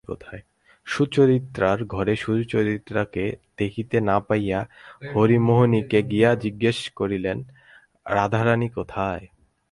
সুচরিতার ঘরে সুচরিতাকে দেখিতে না পাইয়া হরিমোহিনীকে গিয়া জিজ্ঞাসা করিলেন, রাধারানী কোথায়?